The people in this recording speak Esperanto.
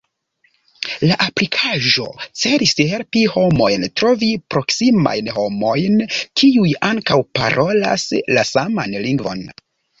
La aplikaĵo celis helpi homojn trovi proksimajn homojn kiuj ankaŭ parolas la saman lingvon.